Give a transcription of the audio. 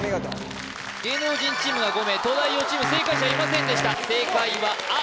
芸能人チームが５名東大王チーム正解者いませんでした正解は「あっ！」